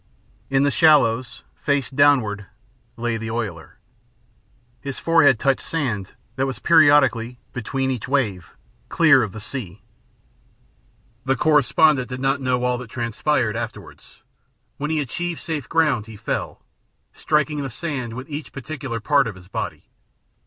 In the shallows, face downward, lay the oiler. His forehead touched sand that was periodically, between each wave, clear of the sea. The correspondent did not know all that transpired afterward. When he achieved safe ground he fell, striking the sand with each particular part of his body.